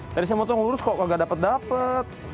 tadi saya motong lurus kok gak dapet dapet